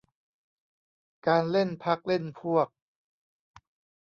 การเล่นพรรคเล่นพวก